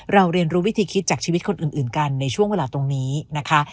เรียนรู้วิธีคิดจากชีวิตคนอื่นกันในช่วงเวลาตรงนี้นะคะ